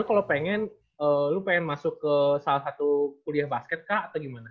kalau pengen lu pengen masuk ke salah satu kuliah basket kah atau gimana